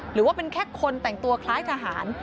หรือว่าเป็นแค่คนแต่งตัวคล้ายทหาร